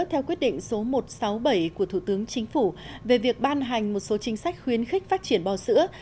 theo quyết định số một trăm sáu mươi bảy của thủ tướng chính phủ về việc ban hành một số chính sách khuyến khích phát triển bò sữa